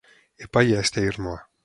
Epaia ez da irmoa.